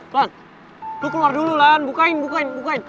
lan lo keluar dulu lan bukain bukain bukain